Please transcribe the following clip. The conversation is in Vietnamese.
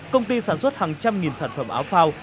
công ty sản xuất hàng trăm nghìn sản phẩm áo phao